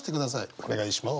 お願いします。